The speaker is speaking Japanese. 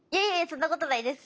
そんなことないです。